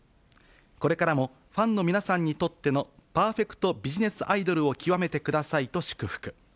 これからもファンの皆さんにとってのパーフェクト・ビジネス・アイドルを極めてくださいと祝福。